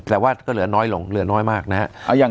แต่ว่าก็เหลือน้อยลงเหลือน้อยมากนะครับ